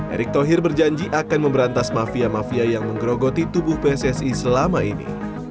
erick thohir berjanji akan memberantas mafia mafia yang menggerogoti tubuh pssi selama ini